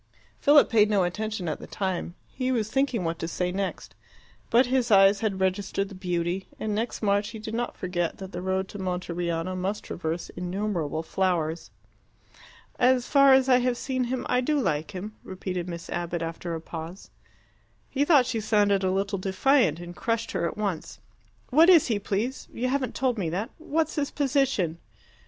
Philip paid no attention at the time: he was thinking what to say next. But his eyes had registered the beauty, and next March he did not forget that the road to Monteriano must traverse innumerable flowers. "As far as I have seen him, I do like him," repeated Miss Abbott, after a pause. He thought she sounded a little defiant, and crushed her at once. "What is he, please? You haven't told me that. What's his position?"